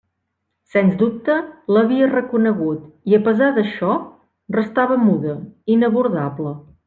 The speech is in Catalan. Sens dubte l'havia reconegut, i a pesar d'això, restava muda, inabordable.